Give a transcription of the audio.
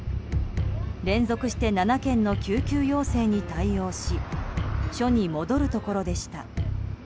連続して７件の救急要請に対応し署に戻るところでした。